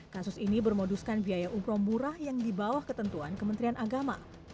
kasus ini bermoduskan biaya umroh murah yang di bawah ketentuan kementerian agama